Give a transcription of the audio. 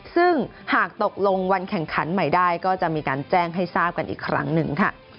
ซึ่งหากตกลงวันแข่งขันใหม่ได้ก็จะมีการแจ้งให้ทราบกันอีกครั้งหนึ่งค่ะ